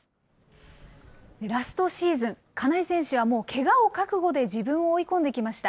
ラストシーズン、金井選手は、もうけがを覚悟で自分を追い込んできました。